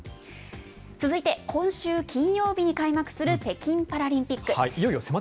続いて今週金曜日に開幕する北京パラリンピック。